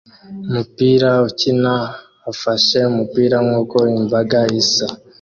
umupira ukina ufashe umupira nkuko imbaga isa